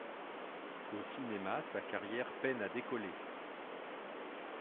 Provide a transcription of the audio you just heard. Au cinéma, sa carrière peine à décoller.